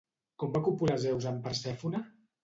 Com va copular Zeus amb Persèfone?